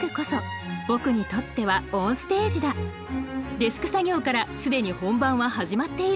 デスク作業から既に本番は始まっている。